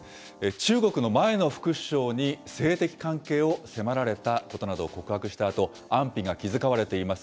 中国の前の副首相に性的関係を迫られたことなどを告白したあと、安否が気遣われています